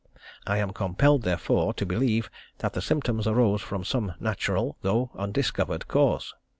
I am compelled, therefore, to believe that the symptoms arose from some natural though undiscovered cause.